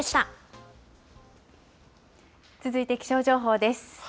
続いて気象情報です。